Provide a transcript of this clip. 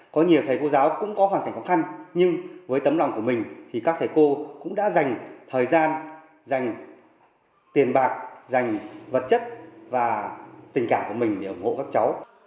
có nhiều thầy cô giáo cũng có hoàn cảnh khó khăn nhưng với tấm lòng của mình thì các thầy cô cũng đã dành thời gian dành tiền bạc dành vật chất và tình cảm của mình để ủng hộ các cháu